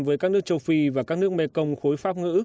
với các nước châu phi và các nước mekong khối pháp ngữ